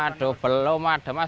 aduh belum ada mas